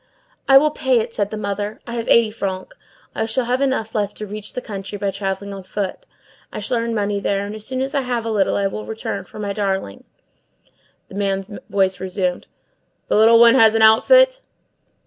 "I will pay it," said the mother. "I have eighty francs. I shall have enough left to reach the country, by travelling on foot. I shall earn money there, and as soon as I have a little I will return for my darling." The man's voice resumed:— "The little one has an outfit?"